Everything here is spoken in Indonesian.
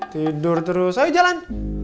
tidur terus ayo jalan